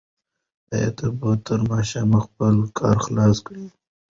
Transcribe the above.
آیا ته به تر ماښامه خپل کار خلاص کړې؟